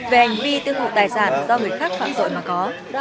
về hành vi tiêu thụ tài sản do người khác phản rội mà có